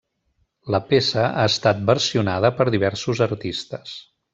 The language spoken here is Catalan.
La peça ha estat versionada per diversos artistes.